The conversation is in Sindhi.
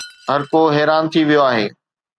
هرڪو حيران ٿي ويو آهي.